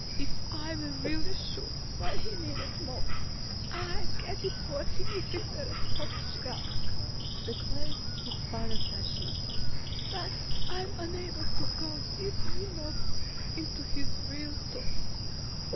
If I were really sure what he needed most, I'd get it for him if it were a spotted giraffe," declared his father passionately. "But I'm unable to go deeply enough into his real thoughts."